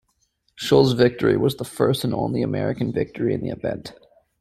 Schul's victory was the first and only American victory in the event.